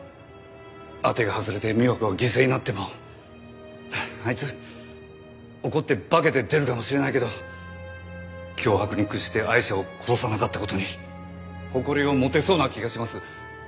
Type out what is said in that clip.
当てが外れて美和子が犠牲になってもあいつ怒って化けて出るかもしれないけど脅迫に屈してアイシャを殺さなかった事に誇りを持てそうな気がします。